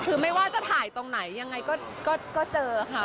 คือไม่ว่าจะถ่ายตรงไหนยังไงก็เจอค่ะ